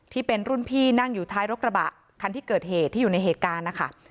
ที่เป็นรุ่นพี่นั่งอยู่ท้ายรถกระบะคันที่เกิดเหตุที่อยู่ในเหตุการณ์นะคะ